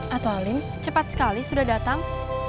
ato alin cepat sekali sudah datang